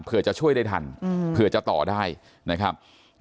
เพื่อจะช่วยได้ทันเผื่อจะต่อได้นะครับ